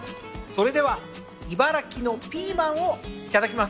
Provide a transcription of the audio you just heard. それでは茨城のピーマンをいただきます。